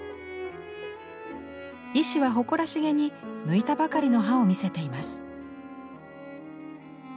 医師は誇らしげに抜いたばかりの歯を見せています。